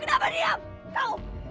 kenapa diam kenapa diam